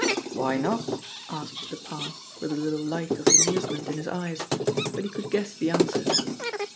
"Why not?" asked Mr. Parr, with a little light of amusement in his eyes, but he could guess the answer.